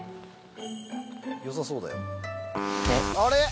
よさそうだよ。